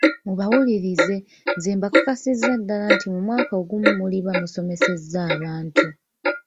Mubawulirize, nze mbakakasiza ddala nti mu mwaka ogumu muliba musomesezza abantu.